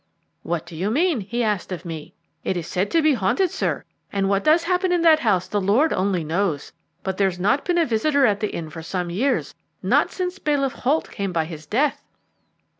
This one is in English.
"'What do you mean?' he asked of me. "'It is said to be haunted, sir, and what does happen in that house the Lord only knows, but there's not been a visitor at the inn for some years, not since Bailiff Holt came by his death.'